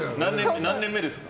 何年目ですか。